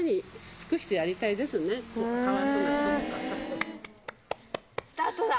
スタートだ。